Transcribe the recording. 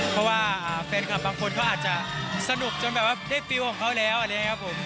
เพราะว่าแฟนคลับบางคนเขาอาจจะสนุกจนได้ฟิวของเขาแล้ว